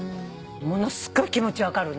ものすごい気持ち分かるね。